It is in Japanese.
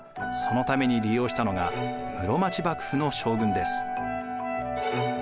そのために利用したのが室町幕府の将軍です。